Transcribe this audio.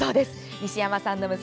西山さんの娘